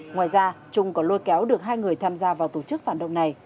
ngoài ra chung có lôi kéo được hai người tham gia vào tổ chức phản động này